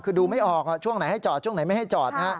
คือดูไม่ออกช่วงไหนให้จอดช่วงไหนไม่ให้จอดนะฮะ